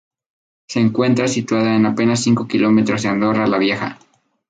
Se encuentra situada a apenas cinco kilómetros de Andorra la Vieja.